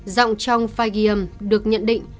giọng trong file ghi âm được nhận định